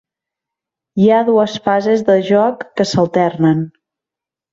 Hi ha dues fases de joc que s'alternen.